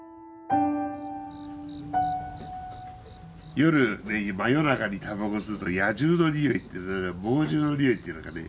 夜真夜中にタバコ吸うと野獣の匂いっていうのか猛獣の匂いっていうのかね。